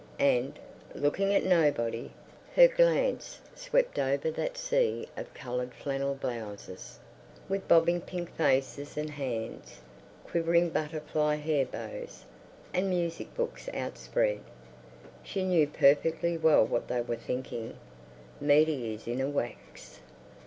and, looking at nobody, her glance swept over that sea of coloured flannel blouses, with bobbing pink faces and hands, quivering butterfly hair bows, and music books outspread. She knew perfectly well what they were thinking. "Meady is in a wax."